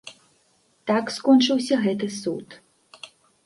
Так скончыўся гэты суд.